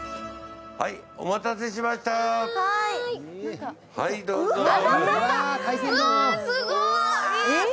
はい、お待たせしましたー、どうぞ。